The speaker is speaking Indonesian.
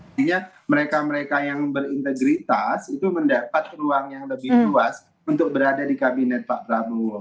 artinya mereka mereka yang berintegritas itu mendapat ruang yang lebih luas untuk berada di kabinet pak prabowo